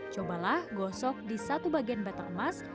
cobalah gosok di satu bagian batang emas